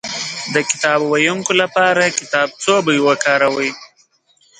د کتاب ويونکي لپاره کتابڅوبی وکاروئ